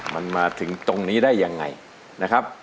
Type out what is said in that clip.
มันมาถึงตรงนี้ได้ยังไงนะครับ